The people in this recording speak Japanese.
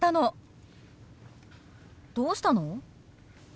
どうしたの？